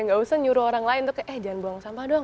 gak usah nyuruh orang lain untuk eh jangan buang sampah doang